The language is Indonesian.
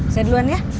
saya duluan ya